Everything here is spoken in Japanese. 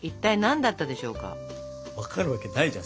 分かるわけないじゃん